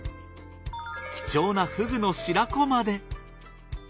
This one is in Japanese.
貴重なフグの白子まで。